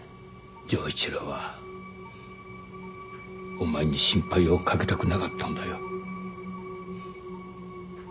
城一郎はお前に心配をかけたくなかったんだよ。